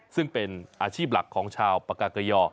ซึ่งเป็นอาชีพหลักของชาวปากาเกยอ